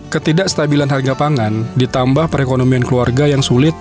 ketidakstabilan harga pangan ditambah perekonomian keluarga yang sulit